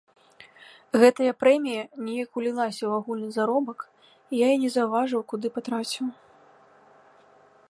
Гэтая прэмія неяк улілася ў агульны заробак, я і не заўважыў, куды патраціў.